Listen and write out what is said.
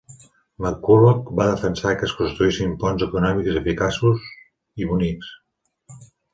McCullough va defensar que es construïssin ponts econòmics, eficaços i bonics.